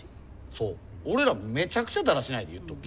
そう俺らめちゃくちゃだらしないで言うとくけど。